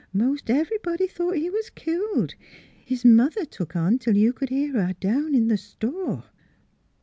Most everybody thought he was killed. His mother took on till you c'd hear her way down in th' store."